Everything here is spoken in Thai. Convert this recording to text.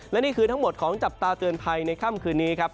และนี่คือทั้งหมดของจับตาเตือนภัยในค่ำคืนนี้ครับ